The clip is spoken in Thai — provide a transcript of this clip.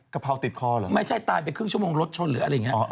เผาติดคอเหรอไม่ใช่ตายไปครึ่งชั่วโมงรถชนหรืออะไรอย่างนี้